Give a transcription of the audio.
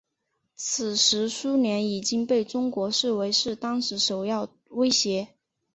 此时苏联已经被中国视为是当时首要威胁。